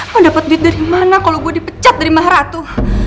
mau dapat duit dari mana kalau gue dipecat dari maharatu